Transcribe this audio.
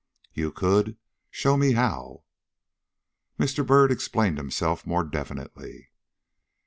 "You could! show me how?" Mr. Byrd explained himself more definitely.